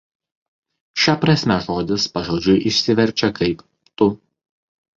Šia prasme žodis pažodžiui išsiverčia kaip „tu“.